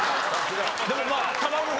でもまあ「卵」が。